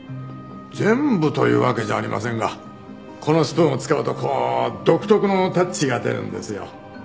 全部というわけじゃありませんがこのスプーンを使うとこう独特のタッチが出るんですよ。